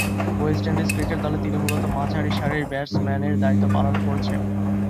West Indies cricket দলে তিনি মূলতঃ মাঝারি সারির ব্যাটসম্যানের দায়িত্ব পালন করছেন।